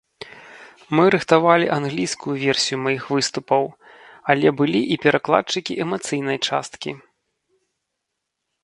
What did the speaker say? Мы рыхтавалі англійскую версію маіх выступаў, але былі і перакладчыкі эмацыйнай часткі.